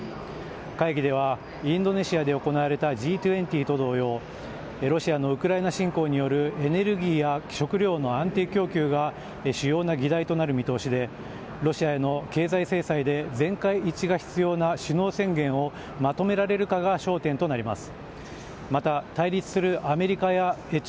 会議ではインドネシアで行われたＧ２０と同様ロシアのウクライナ侵攻によるエネルギーや食料の安定供給が主要な議題となる見通しでロシアへの経済制裁で全会一致が必要な首脳宣言をまとめられるかが焦点となります。